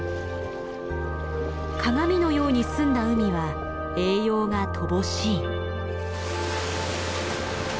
鏡のように澄んだ海は栄養が乏しい。